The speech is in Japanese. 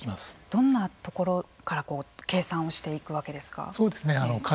どんなところから計算をしていくわけですか。